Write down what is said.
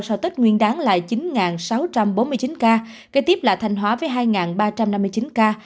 sau tết nguyên đáng là chín sáu trăm bốn mươi chín ca kế tiếp là thanh hóa với hai ba trăm năm mươi chín ca